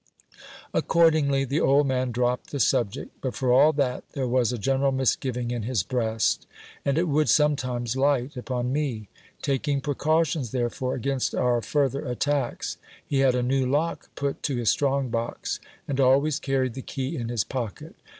Accordingly the old man dropped the subject ; but for all that, there was a general misgiving in his breast, and it would sometimes light upon me ; taking precautions, therefore, against our further attacks, he had a new lock put to his strong box, and always carried the key in his pocket.